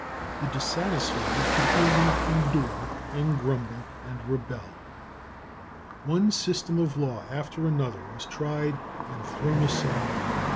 The dissatisfied could only endure and grumble and rebel. One system of law after another was tried and thrown aside.